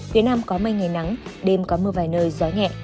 phía nam có mây ngày nắng đêm có mưa vài nơi gió nhẹ